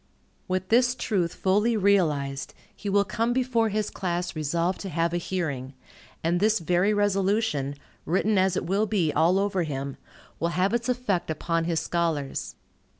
With this truth fully realized, he will come before his class resolved to have a hearing; and this very resolution, written as it will be all over him, will have its effect upon his scholars.